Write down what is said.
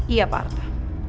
iya pak arta